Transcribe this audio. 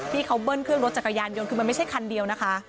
ที่เขาเบิ้ลเครื่องรถจักรยานยนต์คือมันไม่ใช่คันเดียวนะคะ